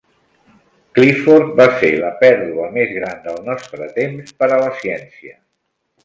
Clifford va ser "la pèrdua més gran del nostre temps per a la ciència".